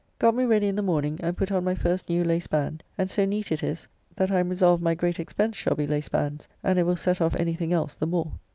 Got me ready in the morning and put on my first new laceband; and so neat it is, that I am resolved my great expense shall be lacebands, and it will set off any thing else the more.